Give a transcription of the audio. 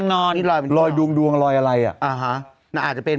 นี่รอยบน